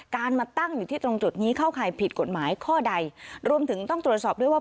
มาตั้งอยู่ที่ตรงจุดนี้เข้าข่ายผิดกฎหมายข้อใดรวมถึงต้องตรวจสอบด้วยว่า